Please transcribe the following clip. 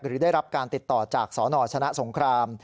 หรือได้รับการติดต่อจากสนชนะสงคราม